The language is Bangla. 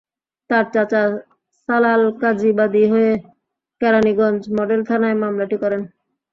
তার চাচা সালাল কাজী বাদী হয়ে কেরানীগঞ্জ মডেল থানায় মামলাটি করেন।